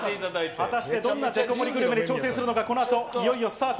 果たしてどんな特盛りグルメに挑戦するのか、このあと、いよいよスタート。